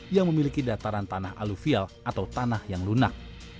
yang memiliki dataran tanah aluvial atau tanah yang lunak